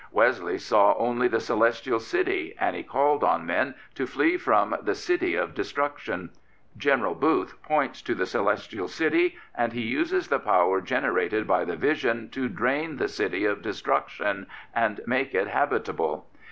Wesley saw only the Celestial City, and he called on men to flee from the City of Destruction. General Booth points to the Celestial City, and he uses the power generated by the vision to drain the City of Destruction and make it habitable.